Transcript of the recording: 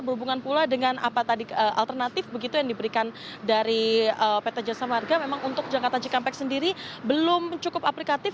berhubungan pula dengan apa tadi alternatif begitu yang diberikan dari pt jasa marga memang untuk jakarta cikampek sendiri belum cukup aplikatif